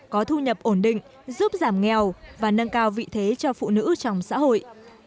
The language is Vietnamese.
có thu nhập ổn định giúp giảm nghèo và nâng cao vị thế cho phụ nữ trong xã hội